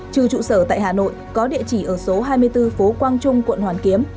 trừ trụ sở tại hà nội có địa chỉ ở số hai mươi bốn phố quang trung quận hoàn kiếm